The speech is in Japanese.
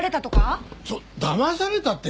ちょっだまされたって。